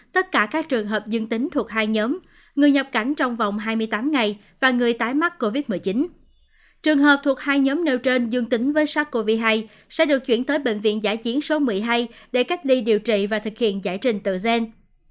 trường hợp thuộc hai nhóm nêu trên dương tính với sars cov hai sẽ được chuyển tới bệnh viện giải chiến số một mươi hai để cách ly điều trị và thực hiện giải trình tựa gen